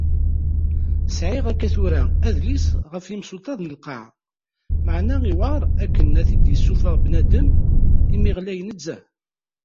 Sεiɣ akka tura adlis ɣef yimsuṭṭaḍ n lqaεa, meεna iwεer akken ad t-id-yessufeɣ bnadem imi ɣlay nezzeh.